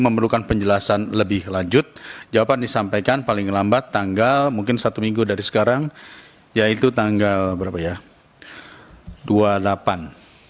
tujuh mendesak kementerian kementerian kementerian tristek ri untuk menyesuaikan kondisi ekonomi mahasiswa sesuai alasan